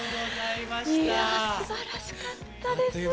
いやあすばらしかったです。